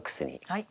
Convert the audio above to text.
はい。